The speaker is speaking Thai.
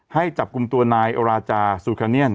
ให้จับกลุ่มตัวนายโอราจาซูคาเนียน